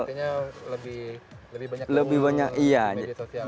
tapi makanya lebih banyak ke media sosial